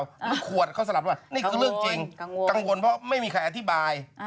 แล้วเขาสลัดว่านี่คือเรื่องจริงกังวลเพราะการอธิบาย